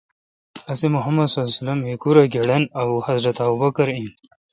اسے°محمدؐہیکوراے° گڑن حضرت ابوبکؓر این